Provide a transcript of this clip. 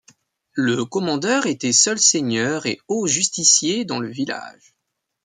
Le commandeur était seul seigneur et haut-justicier dans le village.